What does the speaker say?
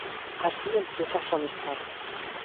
Así empieza su amistad.